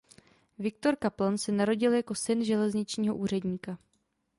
Viktor Kaplan se narodil jako syn železničního úředníka.